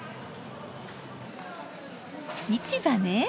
市場ね！